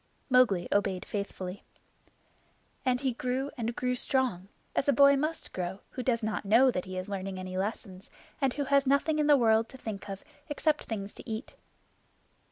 Mowgli obeyed faithfully. And he grew and grew strong as a boy must grow who does not know that he is learning any lessons, and who has nothing in the world to think of except things to eat.